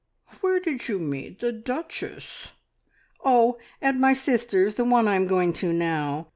"Where did you meet the Duchess?" "Oh, at my sister's the one I am going to now.